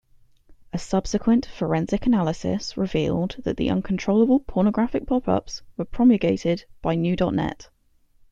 A subsequent forensic analysis revealed that the uncontrollable pornographic popups were promulgated by NewDotNet.